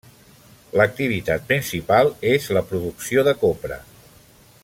L'activitat principal és la producció de copra.